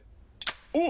おっ！